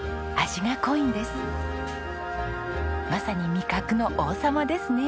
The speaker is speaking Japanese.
まさに味覚の王様ですね。